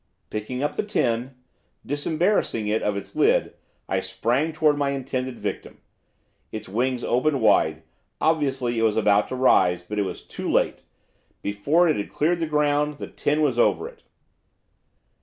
Picking up the tin, disembarrassing it of its lid, I sprang towards my intended victim. Its wings opened wide; obviously it was about to rise; but it was too late. Before it had cleared the ground, the tin was over it.